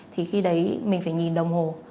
thì khi đấy mình phải nhìn đồng hồ